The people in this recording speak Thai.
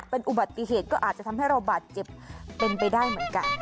เป็นอุบัติเหตุก็อาจจะทำให้เราบาดเจ็บเป็นไปได้เหมือนกัน